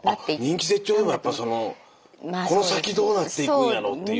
人気絶頂でもやっぱこの先どうなっていくんやろうっていう。